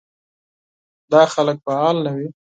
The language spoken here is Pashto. دا خلک فعال نه وي.